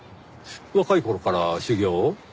若い頃から修業を？